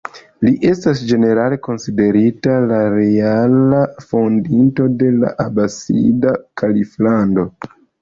Li estas ĝenerale konsiderita la reala fondinto de la Abasida Kaliflando.